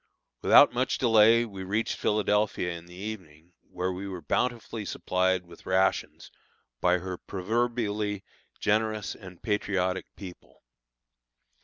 Without much delay we reached Philadelphia in the evening, where we were bountifully supplied with rations by her proverbially generous and patriotic people.